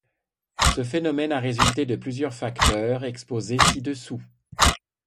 Ce phénomène a résulté de plusieurs facteurs, exposés ci-dessous.